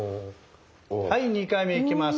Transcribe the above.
はい２回目いきます。